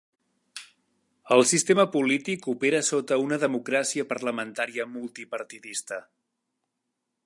El sistema polític opera sota una democràcia parlamentària multipartidista.